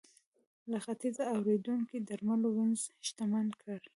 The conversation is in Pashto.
له ختیځه واردېدونکو درملو وینز شتمن کړ.